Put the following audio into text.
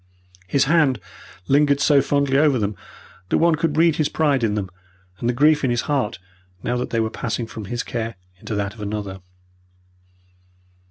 His hand lingered so fondly over them, that one could read his pride in them and the grief in his heart now that they were passing from his care into that of another.